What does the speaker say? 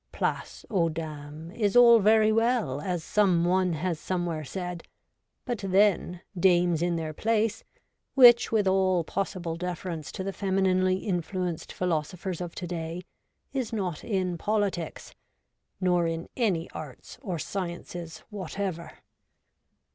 Place aux dames is all very well, as some one has some where said — but then, dames in their place, which, with all possible deference to the femininely in fluenced philosophers of to day, is not in politics, nor in any arts or sciences whatever.